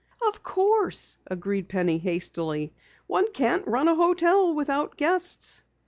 "Of course," agreed Penny hastily. "One can't run a hotel without guests."